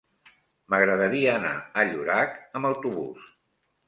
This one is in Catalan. M'agradaria anar a Llorac amb autobús.